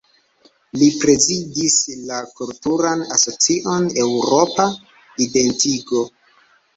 Li prezidis la kulturan asocion Eŭropa Identigo.